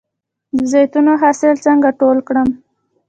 د زیتون حاصل څنګه ټول کړم؟